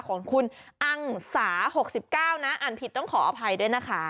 ของคุณอังสา๖๙นะอ่านผิดต้องขออภัยด้วยนะคะ